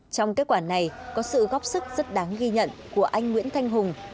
trong kết quả này có sự góp sức rất đáng ghi nhận của anh nguyễn thanh hùng